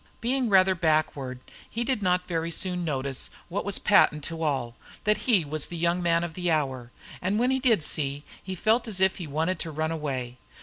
Being rather backward, he did not very soon notice what was patent to all that he was the young man of the hour and when he did see he felt as if he wanted to run away.